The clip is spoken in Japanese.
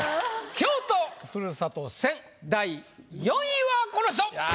京都ふるさと戦第４位はこの人！